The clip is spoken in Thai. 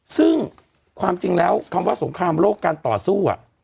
ซึ่งความจริงแล้วคำว่าสงครามโลกการต่อสู้